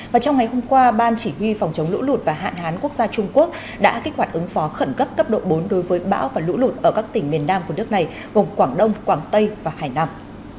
và trong ngày hôm qua ban chỉ huy phòng chống lũ lụt và hạn hán quốc gia trung quốc đã kích hoạt ứng phó khẩn cấp cấp độ bốn đối với bão và lũ lụt ở các tỉnh miền nam của nước này gồm quảng đông quảng tây và hải nam